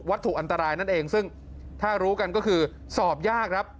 ถูกอันตรายนั่นเองซึ่งถ้ารู้กันก็คือสอบยากครับ